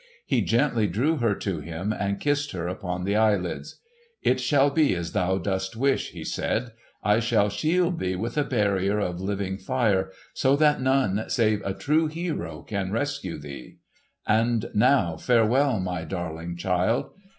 He gently drew her to him and kissed her upon the eyelids. "It shall be as thou dost wish," he said. "I shall shield thee with a barrier of living fire so that none save a true hero can rescue thee. And now farewell, my darling child!